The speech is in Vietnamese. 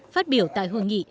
phát biểu tại hội nghị